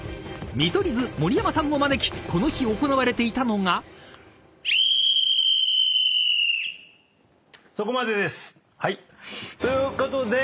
見取り図盛山さんを招きこの日行われていたのが］ということで。